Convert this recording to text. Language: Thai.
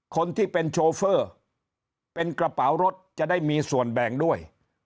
คนที่เป็นโชเฟอร์เป็นกระเป๋ารถจะได้มีส่วนแบ่งด้วย